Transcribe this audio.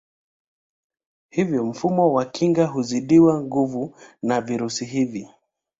Hivyo mfumo wa kinga huzidiwa nguvu na virusi hivi